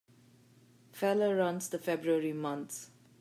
Feller runs the February months.